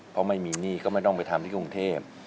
เพราะไม่มีหนี้ก็ไม่ต้องไปทำที่กรุงเทพ